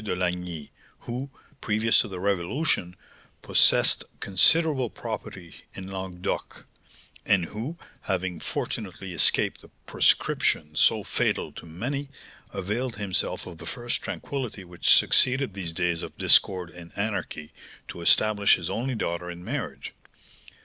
de Lagny, who, previous to the Revolution, possessed considerable property in Languedoc, and who, having fortunately escaped the proscription so fatal to many, availed himself of the first tranquillity which succeeded these days of discord and anarchy to establish his only daughter in marriage.